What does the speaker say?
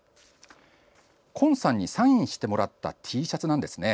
今さんにサインしてもらったＴシャツなんです。